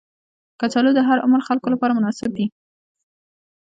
کچالو د هر عمر خلکو لپاره مناسب دي